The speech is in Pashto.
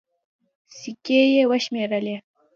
سيکې يې وشمېرلې.